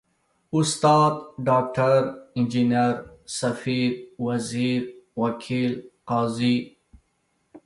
استاد، ډاکټر، انجنیر، ، سفیر، وزیر، وکیل، قاضي ...